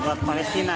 buat palestina ya